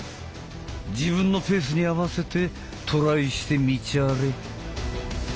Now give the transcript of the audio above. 自分のペースに合わせてトライしてみちゃれ。